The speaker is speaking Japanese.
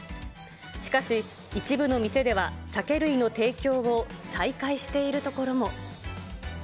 しかし、一部の店では酒類の提供を再開しているところも。